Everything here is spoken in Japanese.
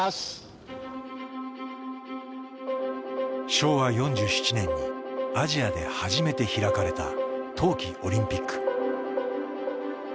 昭和４７年にアジアで初めて開かれた冬季オリンピック。